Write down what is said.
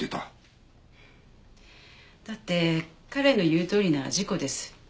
だって彼の言うとおりなら事故です。